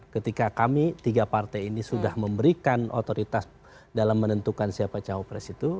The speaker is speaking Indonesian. ketika kami tiga partai ini sudah memberikan otoritas dalam menentukan siapa cawapres itu